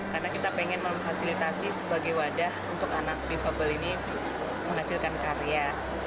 karena kita ingin memfasilitasi sebagai wadah untuk anak difabel ini menghasilkan karya